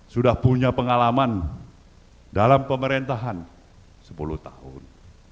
sudah punya pengalaman dalam pemerintahan sepuluh tahun